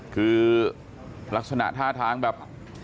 คือลักษณะท่าทางแบบ